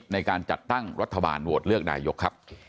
ในการจัดตั้งรัฐบาลโหวตเลือกนายกครับ